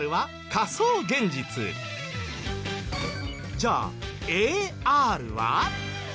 じゃあＡＲは？